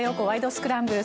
スクランブル」。